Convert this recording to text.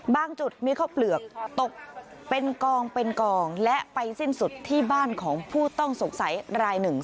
จุดมีข้าวเปลือกตกเป็นกองเป็นกองและไปสิ้นสุดที่บ้านของผู้ต้องสงสัยรายหนึ่ง